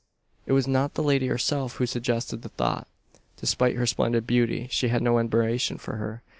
It was not the lady herself who suggested the thought. Despite her splendid beauty, he had no admiration for her.